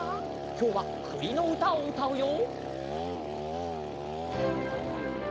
きょうはくりのうたをうたうよ。